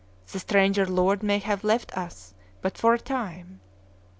The stranger lord may have left us but for a time."